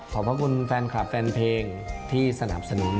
พระคุณแฟนคลับแฟนเพลงที่สนับสนุน